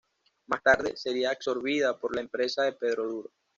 Más tarde sería absorbida por la empresa de Pedro Duro.